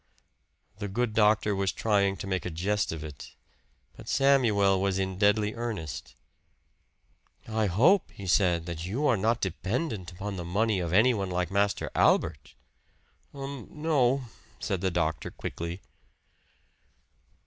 The good doctor was trying to make a jest of it; but Samuel was in deadly earnest. "I hope," he said, "that you are not dependent upon the money of anyone like Master Albert." "Um no," said the doctor quickly.